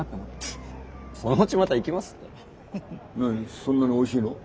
そんなにおいしいの？